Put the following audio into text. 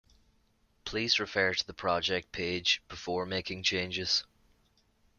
Please refer to the project page, before making changes.